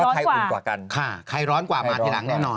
ใครอุ่นกว่ากันใครร้อนกว่ามาทีหลังแน่นอน